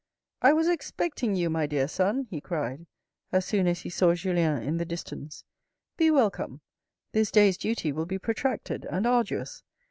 " I was expecting you, my dear son," he cried as soon as he saw Julien in the distance. " Be welcome. This day's duty will be protracted and arduous.